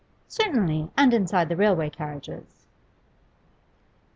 'Certainly, and inside the railway carriages.